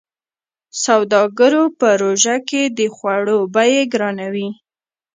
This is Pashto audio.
سوداګرو په روژه کې د خوړو بيې ګرانوي.